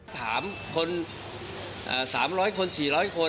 ถามคน๓๐๐คน๔๐๐คน